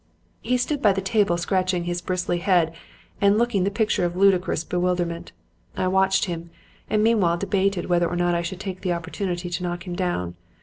"He stood by the table scratching his bristly head and looking the picture of ludicrous bewilderment. I watched him and meanwhile debated whether or not I should take the opportunity to knock him down.